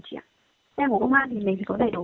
tem của bộ công an thì mình có đầy đủ